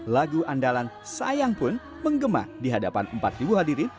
lagu andalan sayang pun menggema di hadapan empat hadirin